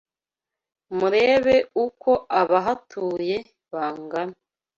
murebe uko abahatuye bangana